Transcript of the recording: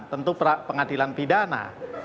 tentu pengadilan pidana